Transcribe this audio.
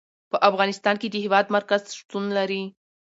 په افغانستان کې د هېواد مرکز شتون لري.